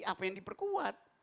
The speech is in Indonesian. apa yang diperkuat